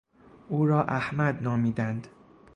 او را احمد نامیدند.